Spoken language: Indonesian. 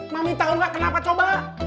mami tau nggak kenapa coba